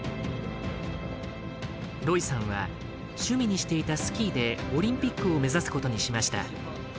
ロイさんは、趣味にしていたスキーでオリンピックを目指すことにしました。